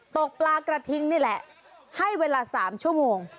ตกปลากระทิงนี่แหละให้เวลา๓ชั่วโมง